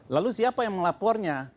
lalu siapa yang melapornya